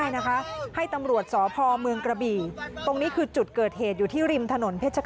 ในที่สุดค่ะ